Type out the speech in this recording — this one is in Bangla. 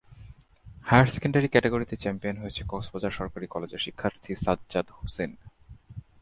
হায়ার সেকেন্ডারি ক্যাটাগরিতে চ্যাম্পিয়ন হয়েছে কক্সবাজার সরকারি কলেজের শিক্ষার্থী সাজ্জাদ হোসেন।